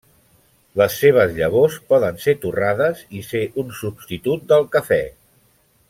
Les seves llavors poden ser torrades i ser un substitut del cafè.